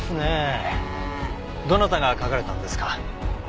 どなたが書かれたんですか？